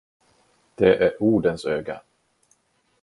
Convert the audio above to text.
Det är Odens öga.